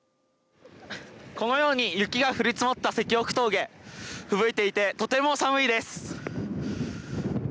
このように雪が降り積もった石北峠ふぶいていて、とても寒いです。